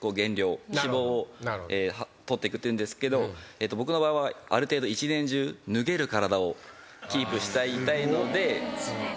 脂肪を取っていくっていうんですけど僕の場合ある程度１年中脱げる体をキープしたいので。